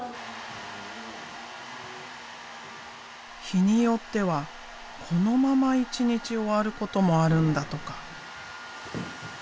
日によってはこのまま一日終わることもあるんだとか。